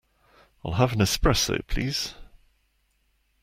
I'll have an Espresso, please.